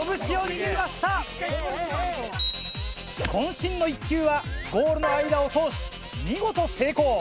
渾身の一球はポールの間を通し見事成功。